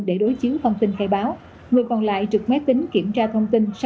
để đối chiếu thông tin khai báo